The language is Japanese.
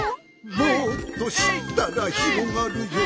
「もっとしったらひろがるよ」